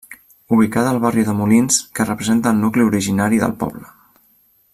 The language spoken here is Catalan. Ubicada al barri de Molins que representa el nucli originari del poble.